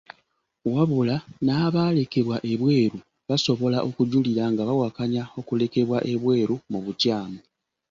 Wabula n'abalekebwa ebweru basobola okujulira nga bawakanya okulekebwa ebweru mu bukyamu.